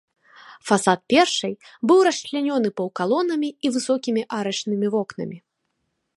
Фасад першай быў расчлянёны паўкалонамі і высокімі арачнымі вокнамі.